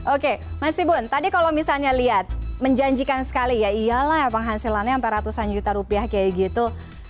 oke mas ibun tadi kalau misalnya lihat menjanjikan sekali ya iyalah ya penghasilannya sampai ratusan juta rupiah kayak gitu